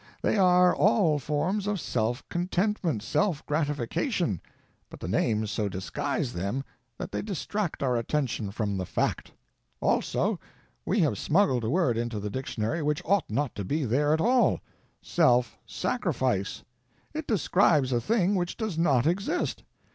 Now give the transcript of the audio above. They are all forms of self contentment, self gratification, but the names so disguise them that they distract our attention from the fact. Also we have smuggled a word into the dictionary which ought not to be there at all—Self Sacrifice. It describes a thing which does not exist.